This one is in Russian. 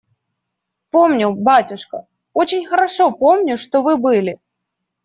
Помню, батюшка, очень хорошо помню, что вы были.